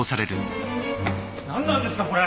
何なんですかこれ！